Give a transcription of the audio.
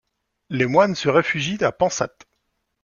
Les moines se réfugient à Pansath.